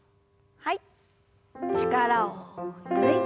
はい。